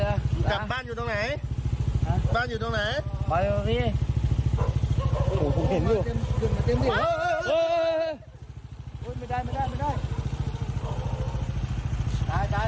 ถ้าท่านล้อมมาทางนี้เดอนจะชน